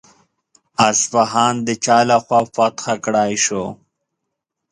اصفهان د چا له خوا فتح کړای شو؟